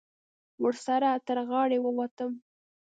ورسره تر غاړې ووتم.